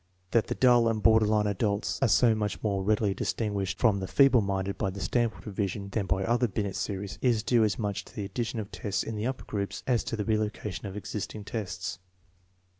That the dull and border line adults are so much more readily distinguished from the feeble minded by the Stanford revision than by oilier Binet scries is due as much to the addition of tests in the upper groups as to the relocation of existing tests.